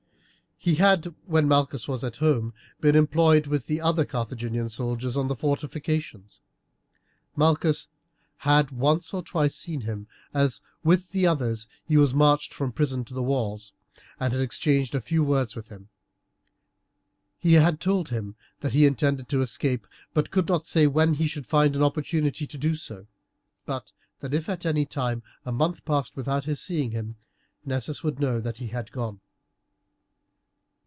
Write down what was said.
He had, when Malchus was at Rome, been employed with the other Carthaginian soldiers on the fortifications. Malchus had once or twice seen him as, with the others, he was marched from the prison to the walls, and had exchanged a few words with him. He had told him that he intended to escape, but could not say when he should find an opportunity to do so; but that if at any time a month passed without his seeing him, Nessus would know that he had gone.